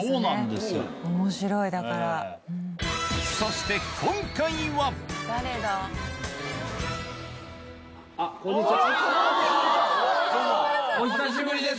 そしてどうもお久しぶりです。